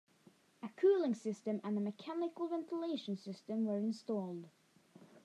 A cooling system and mechanical ventilation system were installed.